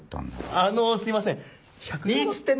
あのすいません！